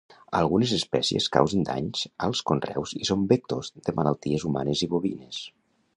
Algunes espècies causen danys als conreus i són vectors de malalties humanes i bovines.